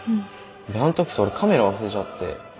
であん時さ俺カメラ忘れちゃって。